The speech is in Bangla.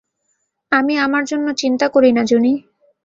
আমি আমার জন্য চিন্তা করি না জুনি।